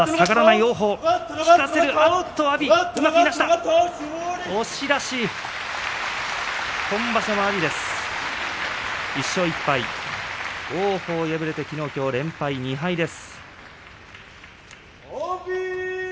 王鵬敗れてきのうきょう連敗です。